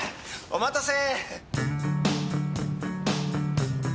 お待たせ！